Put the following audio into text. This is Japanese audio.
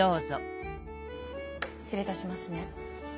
失礼いたしますね。